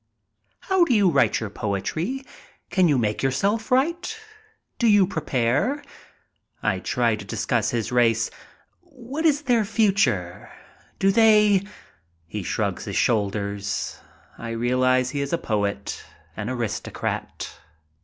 "How do you write your poetry? Can you make yourself write? Do you pre pare?" I try to discuss his race. "What is their future? Do they—" He shrugs his shoulders. I realize he is a poet, an aristocrat.